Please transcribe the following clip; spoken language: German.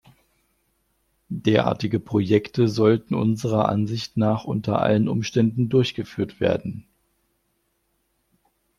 Derartige Projekte sollten unserer Ansicht nach unter allen Umständen durchgeführt werden.